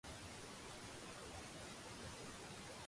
個海好似玻璃噉清